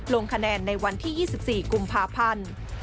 ลงคะแนนในวันที่๒๔กุมภาพันธ์